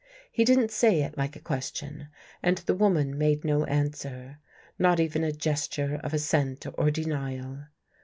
He didn't say it like a question and the woman made no answer. Not even a gesture of assent or denial.